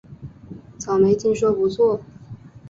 草莓听说不错